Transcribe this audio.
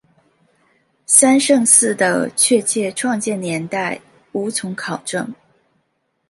三圣寺的确切创建年代无从考证。